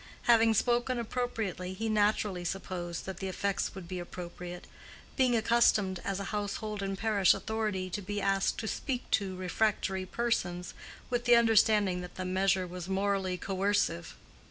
Having spoken appropriately, he naturally supposed that the effects would be appropriate; being accustomed, as a household and parish authority, to be asked to "speak to" refractory persons, with the understanding that the measure was morally coercive.